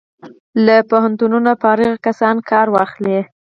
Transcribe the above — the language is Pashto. له پوهنتونونو فارغ کسان کار واخلي.